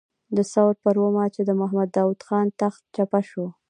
د ثور پر اوومه چې د محمد داود خان تخت چپه شو.